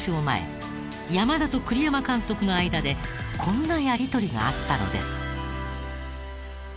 前山田と栗山監督の間でこんなやり取りがあったのです。